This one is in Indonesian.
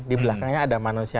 di belakangnya ada manusia